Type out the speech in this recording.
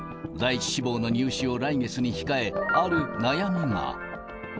第１志望の入試を来月に控え、ある悩みが。